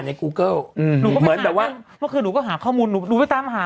แล้วเขาพูดอยู่เท่าเถอะ